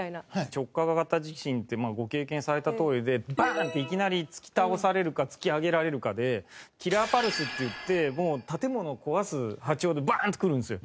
直下型地震ってご経験されたとおりでバン！っていきなり突き倒されるか突き上げられるかでキラーパルスっていってもう建物を壊す波長でバン！ってくるんですよ。